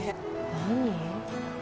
何？